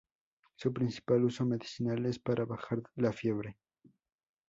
Su principal uso medicinal es para bajar la fiebre.